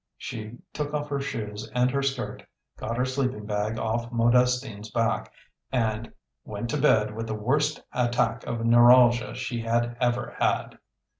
She took off her shoes and her skirt, got her sleeping bag off Modestine's back, and went to bed with the worst attack of neuralgia she had ever had.